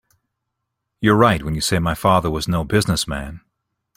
You're right when you say my father was no business man.